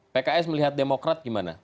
pks melihat demokrat gimana